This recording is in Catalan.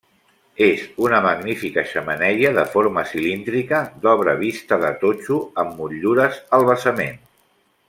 És una magnífica xemeneia de forma cilíndrica d'obra vista de totxo, amb motllures al basament.